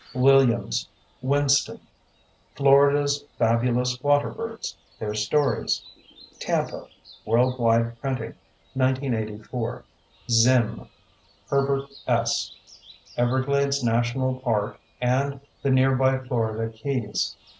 Williams, Winston. Florida's Fabulous Waterbirds: Their Stories. Tampa: Worldwide Printing, 1984. Zim, Herbert S. _Everglades National Park and the Nearby Florida Keys.